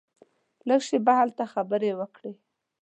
لږه شېبه هلته خبرې وکړې.